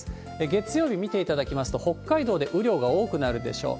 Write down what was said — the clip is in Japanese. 月曜日見ていただきますと、北海道で雨量が多くなるでしょう。